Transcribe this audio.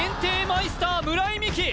マイスター村井美樹